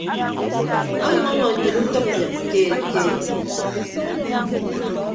Onyʌñ ọnọ nnyịn utịp nnyịn keed keed.